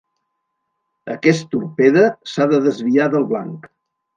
Aquest torpede s'ha de desviar del blanc.